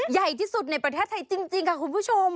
ใหญ่ที่สุดในประเทศไทยจริงค่ะคุณผู้ชม